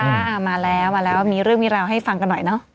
อ่ามาแล้วมาแล้วมีเรื่องมีราวให้ฟังกันหน่อยเนอะ